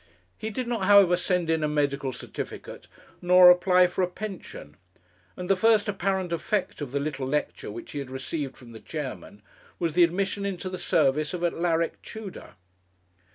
He did not, however, send in a medical certificate, nor apply for a pension; and the first apparent effect of the little lecture which he had received from the Chairman, was the admission into the service of Alaric Tudor.